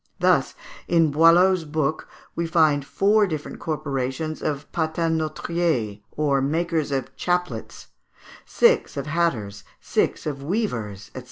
Thus, in Boileau's book, we find four different corporations of patenôtriers, or makers of chaplets, six of hatters, six of weavers, &c.